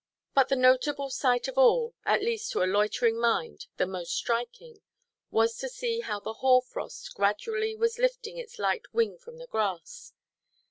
But the notable sight of all, at least to a loitering mind the most striking, was to see how the hoar–frost gradually was lifting its light wing from the grass.